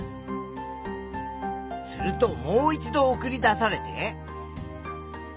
するともう一度送り出されて。